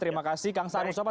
terima kasih kang saru sopo